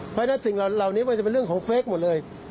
เพราะฉะนั้นสิ่งเหล่านี้มันจะเป็นเรื่องของเฟคหมดเลย